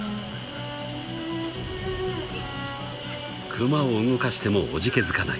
［クマを動かしてもおじけづかない］